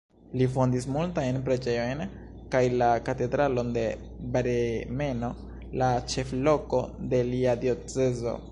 Li fondis multajn preĝejojn kaj la katedralon de Bremeno, la ĉefloko de lia diocezo.